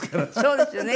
そうですね。